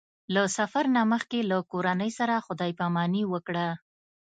د سفر نه مخکې له کورنۍ سره خدای پاماني وکړه.